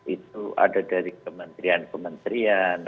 itu ada dari kementerian kementerian